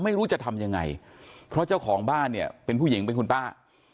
ไม่รู้จะทำยังไงเพราะเจ้าของบ้านเนี่ยเป็นผู้หญิงเป็นคุณป้า